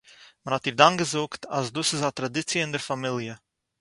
מען האָט איר דאַן געזאָגט אַז דאָס איז אַ טראַדיציע אין דער פאַמיליע